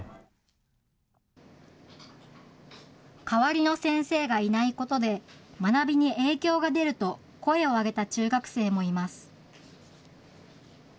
代わりの先生がいないことで、学びに影響が出ると声を上げた中学生もいます。